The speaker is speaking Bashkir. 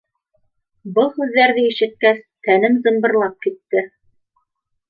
Был һүҙҙәрҙе ишеткәс, тәнем зымбырлап китте.